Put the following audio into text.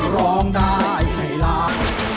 ร้องได้ให้ล้าน